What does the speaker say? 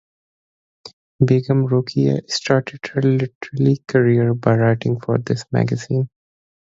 Begum Rokeya started her literary career by writing for this magazine.